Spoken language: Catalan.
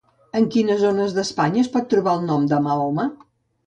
En quines zones d'Espanya es pot trobar el nom de Mahoma?